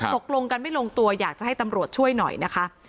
ตกลงกันไม่ลงตัวอยากจะให้ตำรวจช่วยหน่อยนะคะ